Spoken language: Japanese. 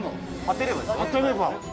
「当てれば」